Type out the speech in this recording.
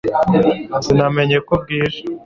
sinamenye ko bwije